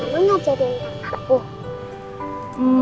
mama mau jadi anak aku